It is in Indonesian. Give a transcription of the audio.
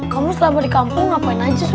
kamu selama di kampung ngapain aja sih